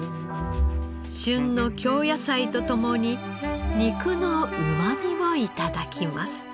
旬の京野菜と共に肉のうまみを頂きます。